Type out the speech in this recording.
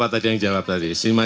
dua tambah lima